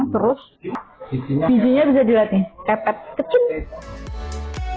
terus bijinya bisa dilihat nih kepet kecil